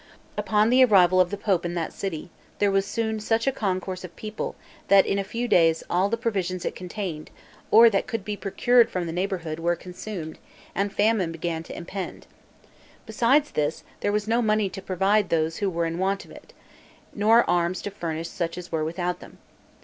Upon the arrival of the pope in that city, there was soon such a concourse of people, that in a few days all the provisions it contained, or that could be procured from the neighborhood, were consumed, and famine began to impend. Besides this, there was no money to provide those who were in want of it, nor arms to furnish such as were without them.